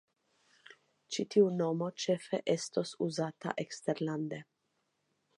Ĉi tiu nomo ĉefe estos uzata eksterlande.